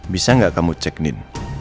bisa gak kamu cek nin